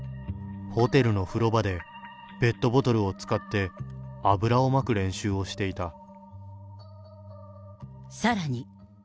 ホテルの風呂場でペットボトルを使って油をまく練習をしていさらに。